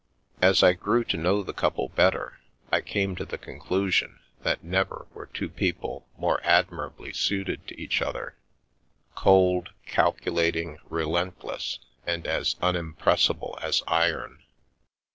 As I grew to know the couple bet ter I came to the conclusion that never were two people more admirably suited to each other; cold, calculating, relentless, and as unimpressible as iron.